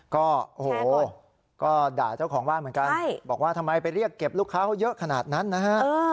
ก็โอ้โหก็ด่าเจ้าของบ้านเหมือนกันบอกว่าทำไมไปเรียกเก็บลูกค้าเขาเยอะขนาดนั้นนะฮะ